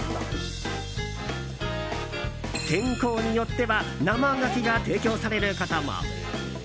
天候によっては生ガキが提供されることも。